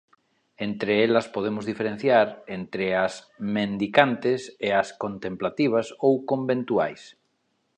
Entre elas podemos diferenciar entre as "mendicantes" e as "contemplativas" ou "conventuais".